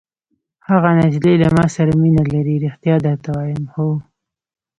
هغه نجلۍ له ما سره مینه لري! ریښتیا درته وایم. هو.